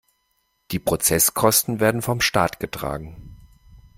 Die Prozesskosten werden vom Staat getragen.